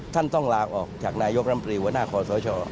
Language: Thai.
ท่านต้องลากออกจากนายกรัฐมนตรีหัวหน้าคศ